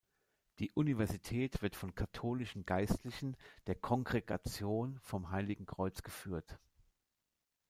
Die Universität wird von katholischen Geistlichen der Kongregation vom Heiligen Kreuz geführt.